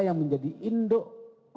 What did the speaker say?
yang menjadi induk